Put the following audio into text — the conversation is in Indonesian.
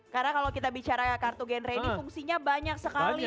karena kalau kita bicara kartu gendre ini fungsinya banyak sekali nih ki ya